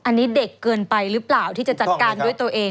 อันนี้เด็กเกินไปหรือเปล่าที่จะจัดการด้วยตัวเอง